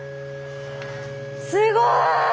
すごい！